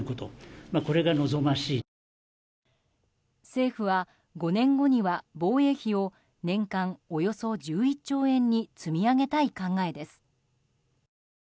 政府は５年後には防衛費を年間およそ１１兆円に積み上げたい考えです。